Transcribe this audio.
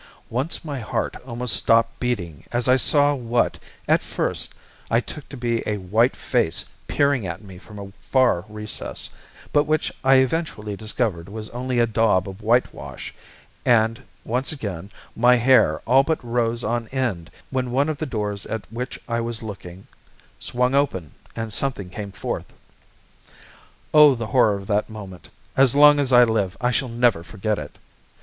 Once my heart almost stopped beating as I saw what, at first, I took to be a white face peering at me from a far recess, but which I eventually discovered was only a daub of whitewash; and, once again, my hair all but rose on end, when one of the doors at which I was looking swung open and something came forth. Oh, the horror of that moment, as long as I live I shall never forget it.